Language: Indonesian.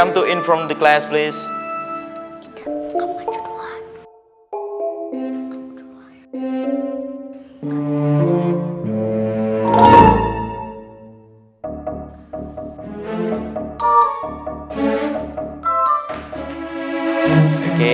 mari ke dalam kelas tolong